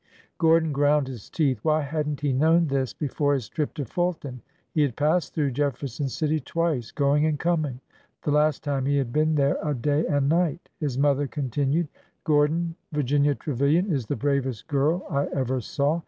^' Gordon ground his teeth. Why had n't he known this before his trip to Fulton? He had passed through Jeffer son City twice — going and coming. The last time he had been there a day and night ! His mother continued :" Gordon, Virginia Trevilian is the bravest girl I ever saw.